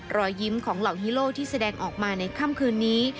รอยยิ้มของเหล่าฮีโร่ที่แสดงออกมาในค่ำคืนนี้